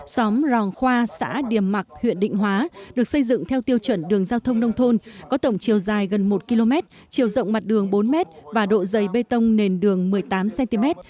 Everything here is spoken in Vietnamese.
xóm ròn khoa xã điểm mặc huyện định hóa được xây dựng theo tiêu chuẩn đường giao thông nông thôn có tổng chiều dài gần một km chiều rộng mặt đường bốn m và độ dày bê tông nền đường một mươi tám cm